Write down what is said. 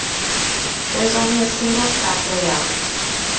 There is only a single track layout.